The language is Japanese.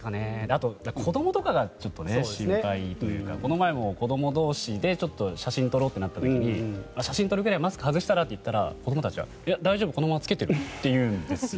あと、子どもとかがちょっと心配というかこの前も子ども同士で写真撮ろうってなった時に写真撮る時ぐらいマスク外したら？と言ったら子どもたちはいや、大丈夫このまま着けていると言うんですよ。